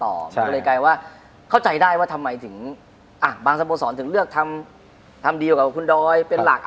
มันก็เลยกลายว่าเข้าใจได้ว่าทำไมถึงบางสโมสรถึงเลือกทำเดียวกับคุณดอยเป็นหลัก